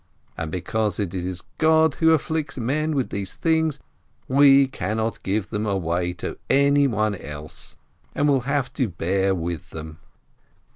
And because it is God who afflicts men with these things, we cannot give them away to anyone else, but have to bear with them.